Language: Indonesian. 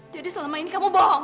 jadi selama ini kamu bohong